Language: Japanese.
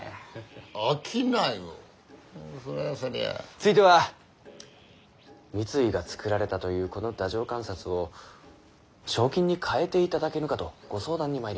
ついては三井が作られたというこの太政官札を正金に換えていただけぬかとご相談に参りました。